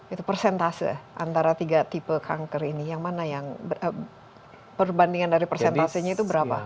itu persentase antara tiga tipe kanker ini yang mana yang perbandingan dari persentasenya itu berapa